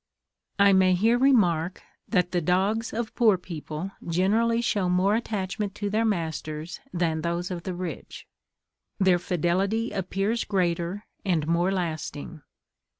I may here remark, that the dogs of poor people generally show more attachment to their masters than those of the rich. Their fidelity appears greater, and more lasting.